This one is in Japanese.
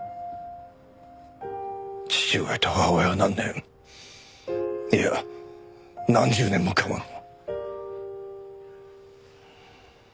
父親と母親は何年いや何十年も我慢を。